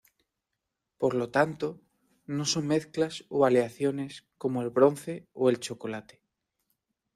Por lo tanto, no son mezclas o aleaciones como el bronce o el chocolate.